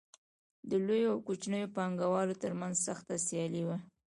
د لویو او کوچنیو پانګوالو ترمنځ سخته سیالي وه